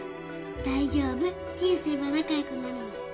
大丈夫チューすれば仲良くなるもん。